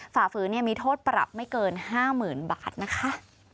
ฝ่าฝืนมีโทษปรับไม่เกิน๕๐๐๐บาทนะคะ